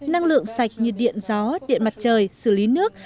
năng lượng sạch như điện gió điện mặt trời xử lý nước